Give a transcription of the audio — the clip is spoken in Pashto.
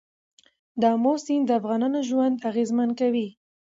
آمو سیند د افغانانو ژوند اغېزمن کوي.